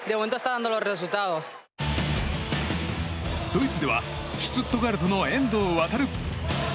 ドイツではシュツットガルトの遠藤航。